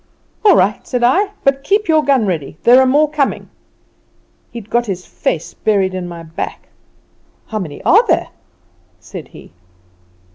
"'All right,' said I; 'but keep your gun ready. There are more coming.' He'd got his face buried in my back. "'How many are there?' said he.